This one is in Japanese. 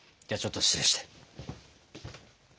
じゃちょっと失礼して。